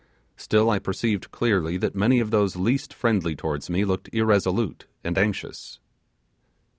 Still I perceived clearly that many of those least friendly towards me looked irresolute and anxious.